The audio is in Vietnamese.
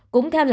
cũng theo lại